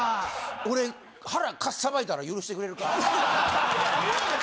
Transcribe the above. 俺腹かっさばいたら許してくれるか？